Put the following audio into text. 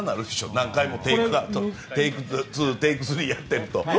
何回もテイク２、テイク３やってると。